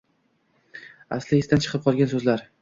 Asli «esdan chiqib qolgan» so‘zlar